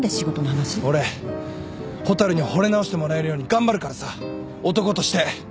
俺蛍にほれ直してもらえるように頑張るからさ男として。